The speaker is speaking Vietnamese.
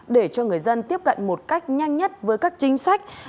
để cho người dân tiếp cận một cách nhanh nhất với các chính sách